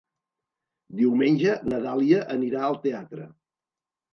Diumenge na Dàlia anirà al teatre.